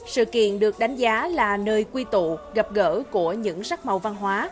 sự kiện được đánh giá là nơi quy tụ gặp gỡ của những sắc màu văn hóa